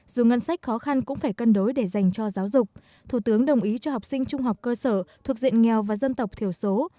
dù ngân sách khó khăn cũng phải cân đối để dành cho giáo dục thủ tướng đồng ý cho học sinh trung học cơ sở thuộc diện nghèo và dân tộc thiểu số